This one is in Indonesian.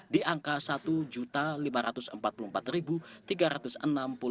di angka rp satu lima ratus empat puluh empat